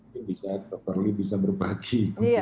jadi bisa dr lee bisa berbagi